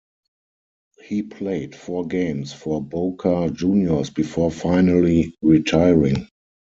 He played four games for Boca Juniors before finally retiring.